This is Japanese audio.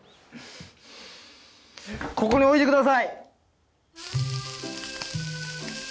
ここに置いてください！